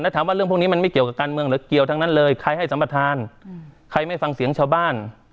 ถามว่าเรื่องพวกนี้มันไม่เกี่ยวกับการเมืองหรือเกี่ยวทั้งนั้นเลยใครให้สัมประธานใครไม่ฟังเสียงชาวบ้าน